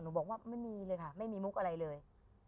บอกว่าไม่มีเลยค่ะไม่มีมุกอะไรเลย